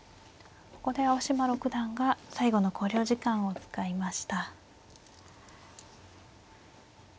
ここで青嶋六段が最後の考慮時間を使いました。